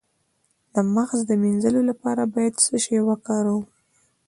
د مغز د مینځلو لپاره باید څه شی وکاروم؟